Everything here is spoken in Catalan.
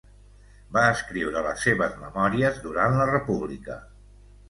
Va escriure les seves memòries durant la República.